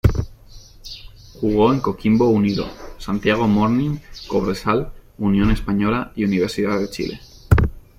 Jugó en Coquimbo Unido, Santiago Morning, Cobresal, Unión Española y Universidad de Chile.